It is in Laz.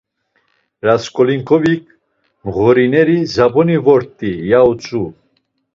Rasǩolnikovik mğorineri Zabuni vort̆i. ya utzu.